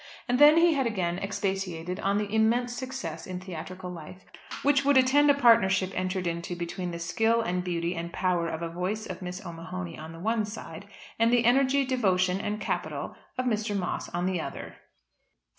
And then he had again expatiated on the immense success in theatrical life which would attend a partnership entered into between the skill and beauty and power of voice of Miss O'Mahony on the one side, and the energy, devotion, and capital of Mr. Moss on the other.